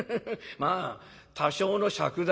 まあ多少の借財」。